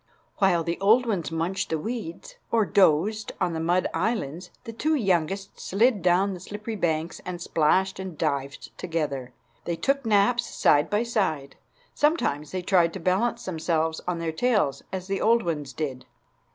While the old ones munched the weeds, or dozed on the mud islands, the two youngest slid down the slippery banks and splashed and dived together. They took naps side by side. Sometimes they tried to balance themselves on their tails, as the old ones did.